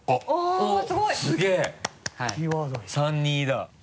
３−２だ。